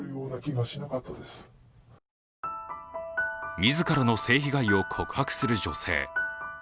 自らの性被害を告白する女性。